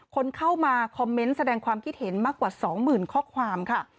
คนเข้ามาคอมเมนต์แสดงความคิดเห็นมากกว่า๒๐๐๐ข้อความค่ะ